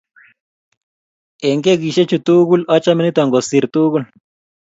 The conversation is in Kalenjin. Eng kekisiek chu tugul achame nito ni kosir tugul